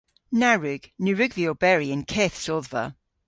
Na wrug. Ny wrug vy oberi y'n keth sodhva.